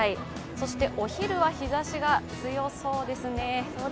そしてお昼は日ざしが強そうですね。